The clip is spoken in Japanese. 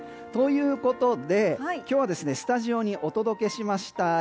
ということで、今日はスタジオにお届けしました。